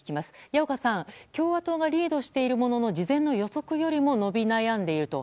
矢岡さん共和党がリードしているものの事前の予測よりも伸び悩んでいると。